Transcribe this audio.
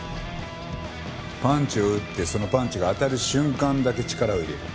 パンチを打ってそのパンチが当たる瞬間だけ力を入れる。